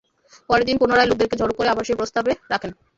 পরের দিন পুনরায় লোকদেরকে জড়ো করে আবার সেই প্রস্তাব রাখেন।